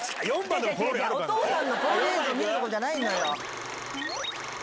お父さんのポロリ映像見るとこじゃないのよ！